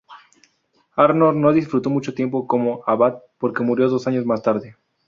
Arnór no disfrutó mucho tiempo como abad porque murió dos años más tarde.